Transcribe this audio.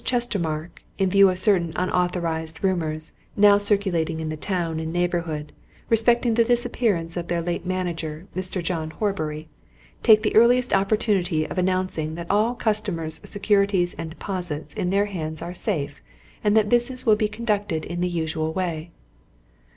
Chestermarke, in view of certain unauthorized rumours, now circulating in the town and neighbourhood, respecting the disappearance of their late manager, Mr. John Horbury, take the earliest opportunity of announcing that all Customers' Securities and Deposits in their hands are safe, and that business will be conducted in the usual way."